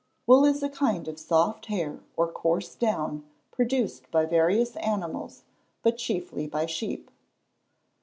_ Wool is a kind of soft hair or coarse down, produced by various animals, but chiefly by sheep.